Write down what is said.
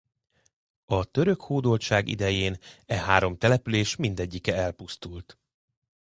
A török hódoltság idején e három település mindegyike elpusztult.